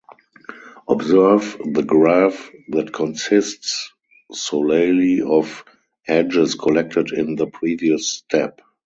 Observe the graph that consists solely of edges collected in the previous step.